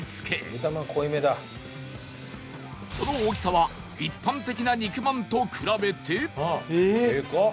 その大きさは一般的な肉まんと比べて